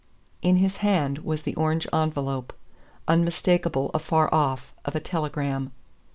In his hand was the orange envelope, unmistakable afar off, of a telegram.